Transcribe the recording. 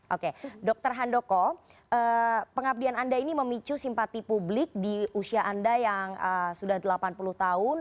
oke dr handoko pengabdian anda ini memicu simpati publik di usia anda yang sudah delapan puluh tahun